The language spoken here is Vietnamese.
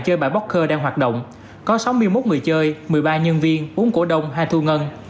chơi bài pocker đang hoạt động có sáu mươi một người chơi một mươi ba nhân viên uống cổ đông hai thu ngân